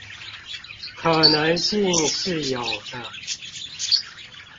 可能性是有的